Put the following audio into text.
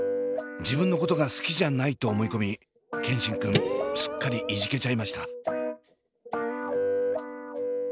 自分のことが好きじゃないと思い込み健新くんすっかりいじけちゃいました。